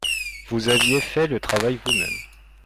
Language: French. Vous aviez fait le travail vous-mêmes.